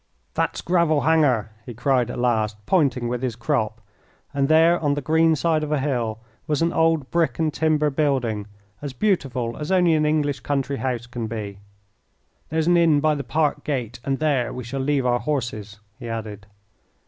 "That's Gravel Hanger," he cried at last, pointing with his crop, and there on the green side of a hill was an old brick and timber building as beautiful as only an English country house can be. "There's an inn by the park gate, and there we shall leave our horses," he added.